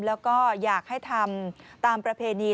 แล้วก็อยากให้ทำตามประเพณี